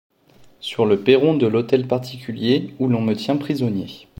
sur le perron de l'hôtel particulier où l'on me tient prisonnier.